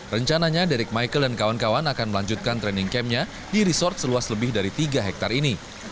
rencananya deric michael dan kawan kawan akan melanjutkan training camp nya di resort seluas lebih dari tiga hektare ini